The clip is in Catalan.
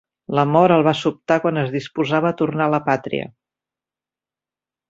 La mort el va sobtar quan es disposava a tornar a la pàtria.